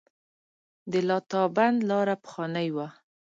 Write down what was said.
د لاتابند لاره پخوانۍ وه